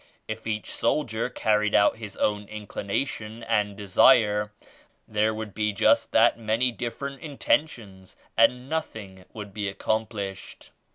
If each soldier carried out his own inclination and desire there would be just that many different intentions and nothing would be accomplished.